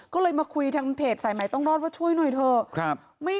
ก็เลยมาคุยทางเพจสายใหม่ต้องรอดว่าช่วยหน่อยเถอะ